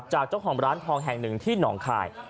จากเจ้าของร้านทองแห่งหนึ่งที่หนองคาย